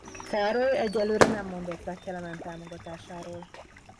Károly egyelőre nem mondott le Kelemen támogatásáról.